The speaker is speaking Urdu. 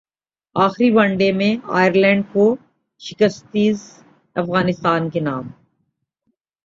اخری ون ڈے میں ائرلینڈ کو شکستسیریز افغانستان کے نام